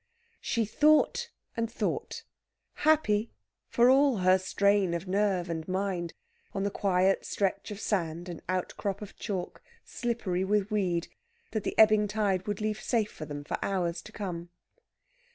She thought and thought happy for all her strain of nerve and mind, on the quiet stretch of sand and outcrop of chalk, slippery with weed, that the ebbing tide would leave safe for them for hours to come.